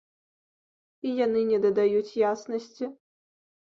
І яны не дадаюць яснасці.